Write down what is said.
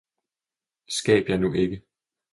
Skab jer nu ikke!